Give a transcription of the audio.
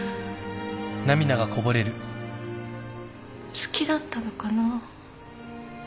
好きだったのかな。